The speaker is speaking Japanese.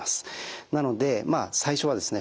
なので最初はですね